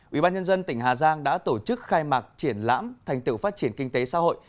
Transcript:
ủy ban nhân dân tỉnh hà giang đã tổ chức khai mạc triển lãm thành tựu phát triển kinh tế xã hội